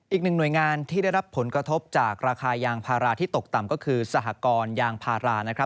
อีกหนึ่งหน่วยงานที่ได้รับผลกระทบจากราคายางพาราที่ตกต่ำก็คือสหกรยางพารานะครับ